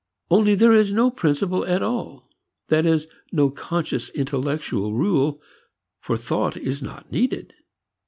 Only there is no principle at all, that is, no conscious intellectual rule, for thought is not needed.